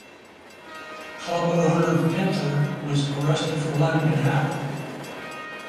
Club owner Pinter was arrested for letting it happen.